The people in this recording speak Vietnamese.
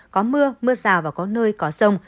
có mưa mưa rào và có nơi có rồng